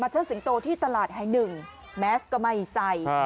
เชิดสิงโตที่ตลาดแห่งหนึ่งแมสก็ไม่ใส่